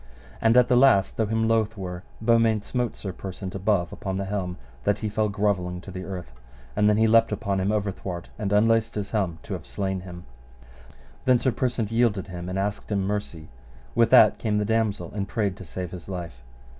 And at the last, though him loath were, Beaumains smote Sir Persant above upon the helm, that he fell grovelling to the earth; and then he leapt upon him overthwart and unlaced his helm to have slain him. Then Sir Persant yielded him and asked him mercy. With that came the damosel and prayed to save his life.